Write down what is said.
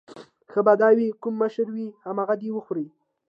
ښه به دا وي کوم مشر وي همغه دې وخوري.